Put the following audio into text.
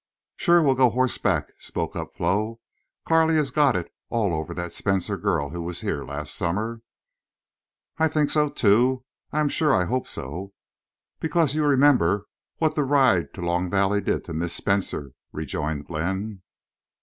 "Shore we'll go horseback," spoke up Flo. "Carley has got it all over that Spencer girl who was here last summer." "I think so, too. I am sure I hope so. Because you remember what the ride to Long Valley did to Miss Spencer," rejoined Glenn.